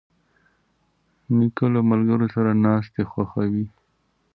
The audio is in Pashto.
نیکه له ملګرو سره ناستې خوښوي.